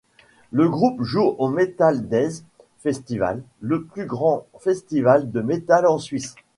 Le groupe joue au Metaldayz Festival, le plus grand festival de metal en Suisse.